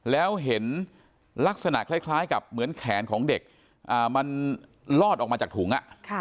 แล้วเห็นลักษณะคล้ายกับเหมือนแขนของเด็กมันลอดออกมาจากถุง